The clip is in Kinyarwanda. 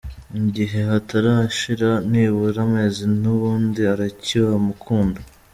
Mu gihe hatarashira nibura amezi , n’ubundi aracyamukunda.